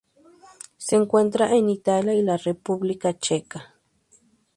Se encuentra en Italia y la República Checa.